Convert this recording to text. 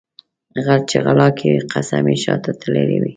غل چې غلا کوي قسم یې شاته تړلی وي.